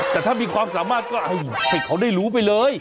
แต่ถ้ามีความสามารถก็ให้เขาได้รู้ไปเลย